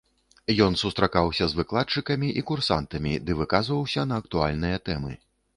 Ён сустракаўся з выкладчыкамі і курсантамі ды выказаўся на актуальныя тэмы.